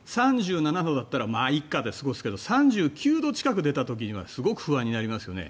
３７度だったらまあいいかで過ごすけど３９度近く出た時にはすごく不安になりますよね。